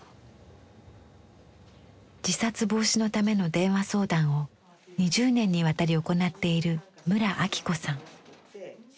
自殺防止のための電話相談を２０年にわたり行っている村明子さん。